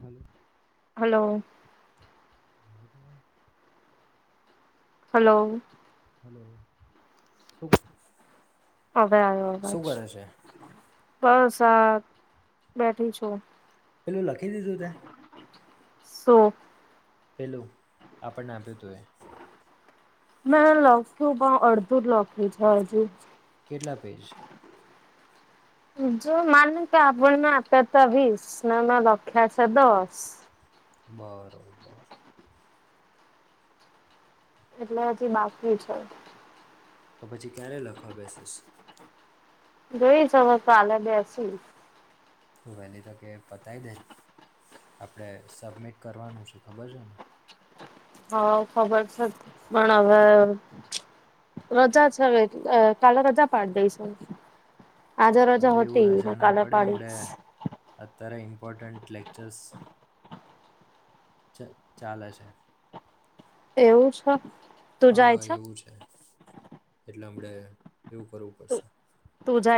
Hello hello. હજ [unintelligible] hello. Hello શ [unintelligible] હવે આવ્યો અવાજ. બસ, આ બેઠી છું. પેલું લખી દીધું તે. શું? પેલું આપણને આપ્યું તું એ. મેં લખ્યું પણ અડધું જ લખ્યું છે, હજુ. કેટલા પેજ? જો માને કે આપણને આપ્યા તા વીસ, ના મેં લખ્યા છે દસ. બરોબર. એટલે થી બાકી છે. તો પછી ક્યારે લખવા બેસીસ? જોઈસ, હવે કાલે બેસીસ. તો હું વહેલી તકે પતાય દે. આપણે સબમિટ કરવાનું છે, ખબર છે ને? હા, ખબર છે. પણ હવે રજા છે, હવે કાલે રજા પાડી દઈશ. આજે અરે, રજા એવું હતી રજા ને ના કાલે પડાય પાડીશ હમણાં, અત્યારે. Important lectures. ચાલે છે. એવું છે. તું જાય હા, એવું છે. એટલે આપડે. એવું કરવું તું પડશે. તું જાય